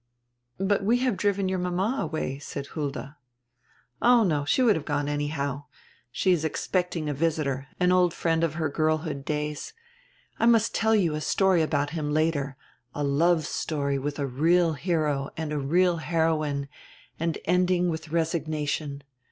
"But we have driven your mama away," said Hulda. "Oh no. She would have gone anyhow. She is expect ing a visitor, an old friend of her girlhood days. I must tell you a story about him later, a love story with a real hero and a real heroine, and ending widi resignation.